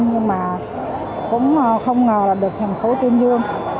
nhưng mà cũng không ngờ là được thành phố tuyên dương